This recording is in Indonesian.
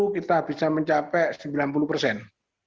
tiga puluh satu kita bisa mencapai sembilan puluh persen